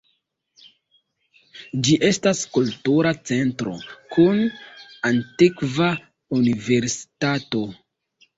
Ĝi estas kultura centro kun antikva universitato.